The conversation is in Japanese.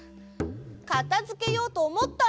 かたづけようとおもったんだ。